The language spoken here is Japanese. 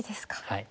はい。